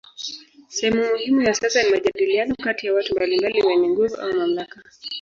Sehemu muhimu ya siasa ni majadiliano kati ya watu mbalimbali wenye nguvu au mamlaka.